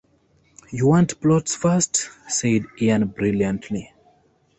"You want plots first," said Ian brilliantly.